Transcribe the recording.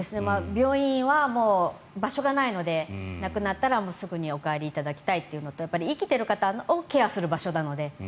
病院はもう場所がないので亡くなったらすぐにお帰りいただきたいというのと生きている方をケアする場所なので。